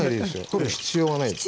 取る必要がないですね。